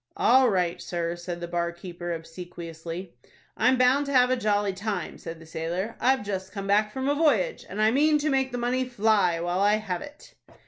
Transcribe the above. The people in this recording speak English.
"All right, sir," said the bar keeper, obsequiously. "I'm bound to have a jolly time," said the sailor. "I've just come back from a voyage, and I mean to make the money fly while I have it."